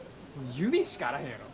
夢しかあらへんやろ。